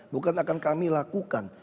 bukan akan kami lakukan